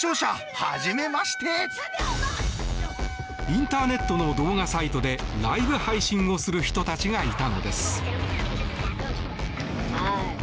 インターネットの動画サイトでライブ配信をする人たちがいたのです。